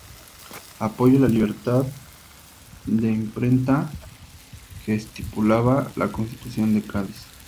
Apoyó la libertad de imprenta que estipulaba la Constitución de Cádiz.